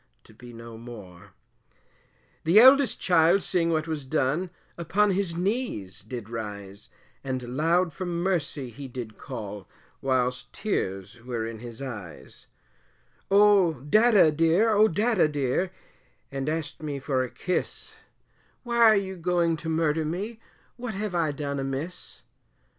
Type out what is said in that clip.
to be no more. The eldest child seeing what was done, upon his knees did rise, And loud for mercy he did call, whilst tears were in his eyes Oh, Dadda dear, oh, Dadda dear, and asked me for a kiss, Why are you going to murder me, what have I done amiss?